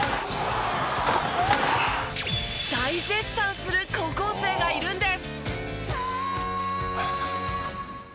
大絶賛する高校生がいるんです。